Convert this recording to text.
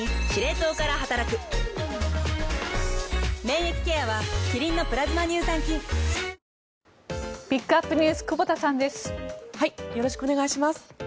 よろしくお願いします。